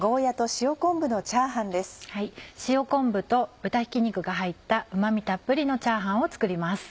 塩昆布と豚ひき肉が入ったうま味たっぷりのチャーハンを作ります。